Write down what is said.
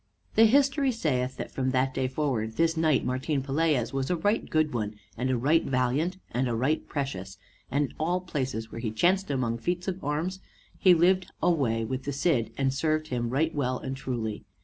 The history saith that from that day forward this knight Martin Pelaez was a right good one, and a right valiant, and a right precious, in all places where he chanced among feats of arms, and he lived alway with the Cid, and served him right well and truly.